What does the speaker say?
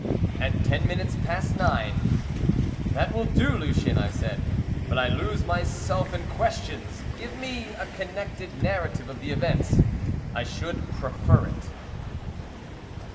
"At ten minutes past nine." "That will do, Lucien;" I said, "but I lose myself in questions. Give me a connected narrative of the events. I should prefer it."